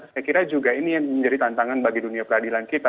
saya kira juga ini yang menjadi tantangan bagi dunia peradilan kita